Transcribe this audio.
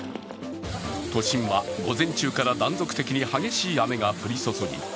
都心は午前中から断続的に激しい雨が降り注ぎ